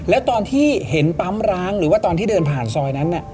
แล้วตอนที่เห็นปั๊มร้างหรือว่าตอนที่เดินผ่านซอยนั้น